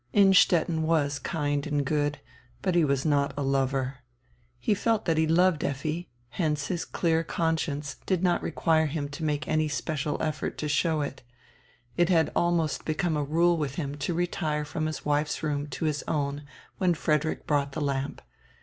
Innstetten was kind and good, but he was not a lover. He felt that he loved Effi; hence his clear conscience did not require him to make any special effort to show it. It had almost become a rule with him to retire from his wife's room to his own when Frederick brought the lamp.